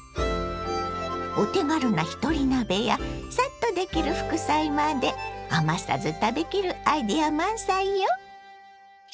お手軽なひとり鍋やサッとできる副菜まで余さず食べきるアイデア満載よ。